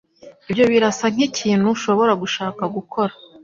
Ibyo birasa nkikintu ushobora gushaka gukora?